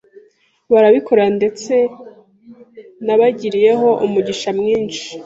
barabikora ndetse nabagiriyeho umugisha mwinshi